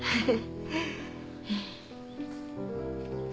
はい。